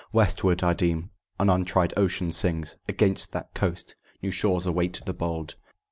"Westward, I deem: an untried ocean sings Against that coast, 'New shores await the bold.'"